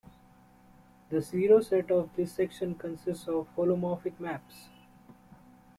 The zero set of this section consists of holomorphic maps.